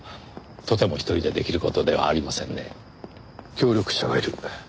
協力者がいる。